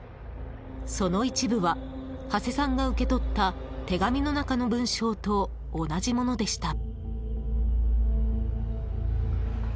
その一部は土師さんが受け取った手紙の中の文章と同じものでした。